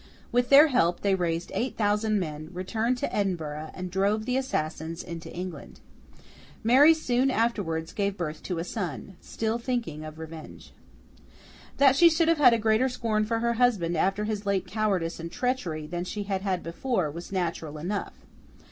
With their help, they raised eight thousand men; returned to Edinburgh, and drove the assassins into England. Mary soon afterwards gave birth to a son—still thinking of revenge. That she should have had a greater scorn for her husband after his late cowardice and treachery than she had had before, was natural enough.